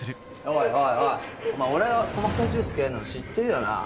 お前俺がトマトジュース嫌いなの知ってるよな？